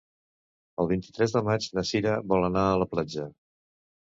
El vint-i-tres de maig na Cira vol anar a la platja.